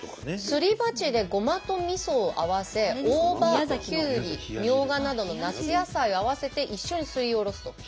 すり鉢でごまとみそを合わせ大葉きゅうりみょうがなどの夏野菜を合わせて一緒にすりおろすと。